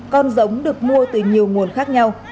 con giống được mua từ nhiều nguồn khác nhau